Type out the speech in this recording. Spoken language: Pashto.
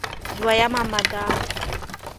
دوه یمه ماده: